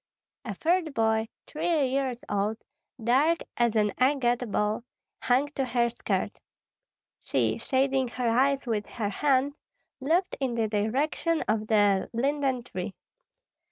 A third boy, three years old, dark as an agate ball, hung to her skirt. She, shading her eyes with her hand, looked in the direction of the linden tree.